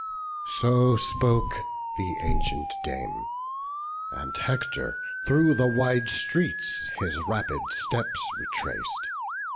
So spoke the ancient dame; and Hector straight Through the wide streets his rapid steps retrac'd.